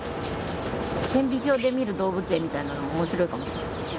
顕微鏡で見る動物園みたいなのも面白いかもしれん。